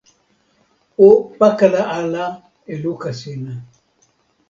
o pakala ala e luka sina.